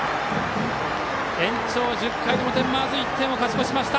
延長１０回の表まず１回を勝ち越しました。